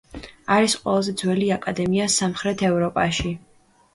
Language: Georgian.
არის ყველაზე ძველი აკადემია სამხრეთ ევროპაში.